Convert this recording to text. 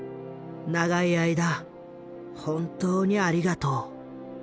長い間本当にありがとう。